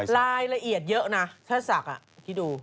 ลายละเอียดเยอะนะถ้าสัก